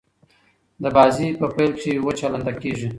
د بازي په پیل کښي وچه لنده کیږي.